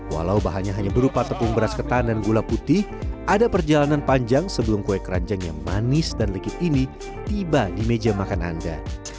walau bahannya hanya berupa tepung beras ketan dan gula putih ada perjalanan panjang sebelum kue keranjang yang manis dan legit ini tiba di meja makan anda